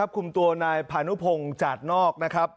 คุมตัวนายผานุพงจากนอก